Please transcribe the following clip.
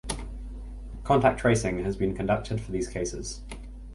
Contact tracing has been conducted for these cases.